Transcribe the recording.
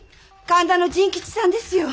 神田の甚吉さんですよ！